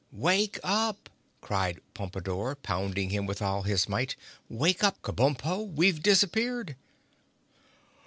"Wake up!" cried Pompadore, pounding him with all his might. "Wake up, Kabumpo. We've disappeared!"